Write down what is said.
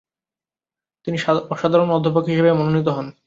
তিনি অসাধারণ অধ্যাপক হিসাবে মনোনীত হন।